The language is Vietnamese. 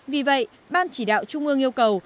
vì vậy ban chỉ đạo trung ương yêu cầu